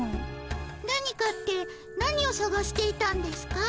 何かって何をさがしていたんですか？